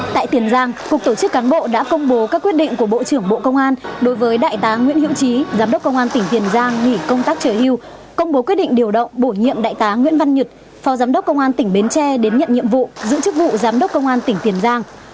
tại tiền giang cục tổ chức cán bộ đã công bố các quyết định của bộ trưởng bộ công an đối với đại tá nguyễn hiễu trí giám đốc công an tỉnh tiền giang nghỉ công tác trở hiêu công bố quyết định điều động bổ nhiệm đại tá nguyễn văn nhật phó giám đốc công an tỉnh bến tre đến nhận nhiệm vụ giữ chức vụ giám đốc công an tỉnh tiền giang